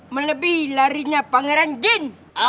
melebihi larinya pangeran jin